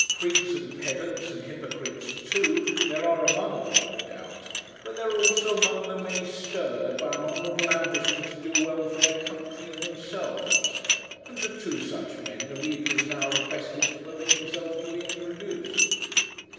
Prigs and pedants, and hypocrites too, there are among them, no doubt but there are also among them many stirred by an honourable ambition to do well for their country and themselves, and to two such men the reader is now requested to permit himself to be introduced.